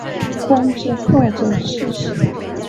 官至霍州刺史。